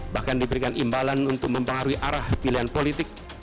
bahkan diberikan imbalan untuk mempengaruhi arah pilihan politik